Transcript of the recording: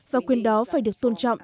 và quyền đó phải được tôn trọng